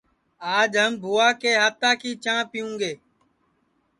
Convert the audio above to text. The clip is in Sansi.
آج ہم بھوا کے ہاتا کی چاں پیوں گے